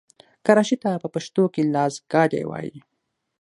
کراچۍ ته په پښتو کې لاسګاډی وايي.